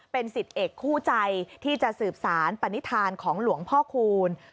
เป็นสิทธิ์เอกคู่ใจที่จะสืบสารปณิธานของหลวงพ่อคูณ